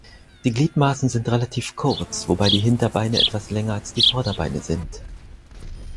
Die Gliedmaßen sind relativ kurz, wobei die Hinterbeine etwas länger als die Vorderbeine sind.